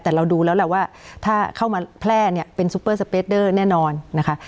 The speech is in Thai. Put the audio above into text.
แต่เราดูแล้วแหละว่าถ้าเข้ามาแพร่เนี้ยเป็นแน่นอนนะคะ